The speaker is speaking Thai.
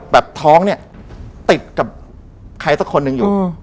ท้องเนี่ยติดกับใครสักคนหนึ่งอยู่